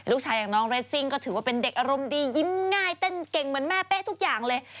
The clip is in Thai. อย่างน้องเรสซิ่งก็ถือว่าเป็นเด็กอารมณ์ดียิ้มง่ายเต้นเก่งเหมือนแม่เป๊ะทุกอย่างเลย